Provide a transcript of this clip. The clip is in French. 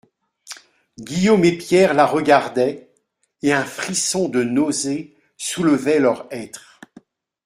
Guillaume et Pierre la regardaient, et un frisson de nausée soulevait leur être.